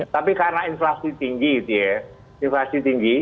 tapi karena inflasi tinggi